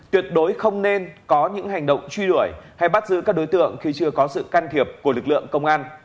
tuyệt đối không nên có những hành động truy đuổi hay bắt giữ các đối tượng khi chưa có sự can thiệp của lực lượng công an